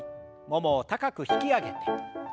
ももを高く引き上げて。